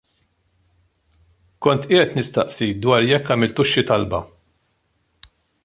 Kont qiegħed nistaqsi dwar jekk għamiltux xi talba.